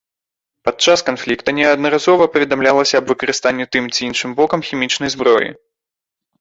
Падчас канфлікта неаднаразова паведамлялася аб выкарыстанні тым ці іншым бокам хімічнай зброі.